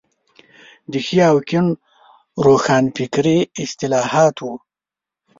د ښي او کيڼ روښانفکري اصطلاحات وو.